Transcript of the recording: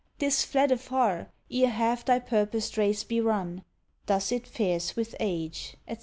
'Tis fled afar, ere half thy purposed race be run; Thus it fares with age, &c.